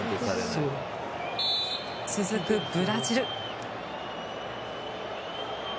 続くブラジル。